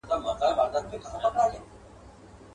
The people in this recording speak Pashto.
په کمال کي د خبرو یک تنها وو.